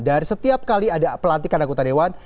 dan setiap kali ada pelantikan anggota dewan